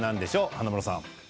華丸さん。